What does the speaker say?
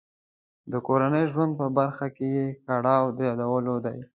د کورني ژوند په برخه کې یې کړاو د یادولو دی.